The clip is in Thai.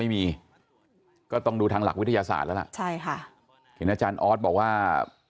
มีก็ต้องดูทางหลักวิทยาศาสตร์แล้วใครเช่นอาจารย์ออสบอกว่า